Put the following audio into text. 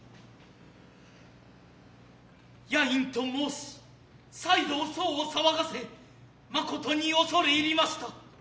夜陰と申し再度御左右を騒がせまことに恐入りました。